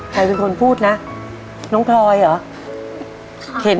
ใครเป็นคนพูดนะน้องพลอยเหรอ